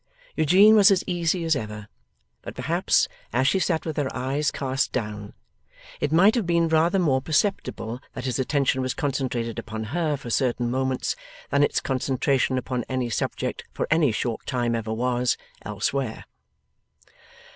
Eugene was as easy as ever; but perhaps, as she sat with her eyes cast down, it might have been rather more perceptible that his attention was concentrated upon her for certain moments, than its concentration upon any subject for any short time ever was, elsewhere.